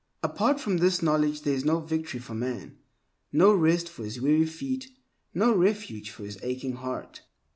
Apart from this knowledge there is no victory for man, no rest for his weary feet, no refuge for His aching heart.